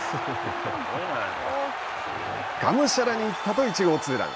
がむしゃらに行ったと１号ツーラン。